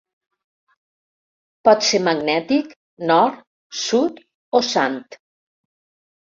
Pot ser magnètic, nord, sud o sant.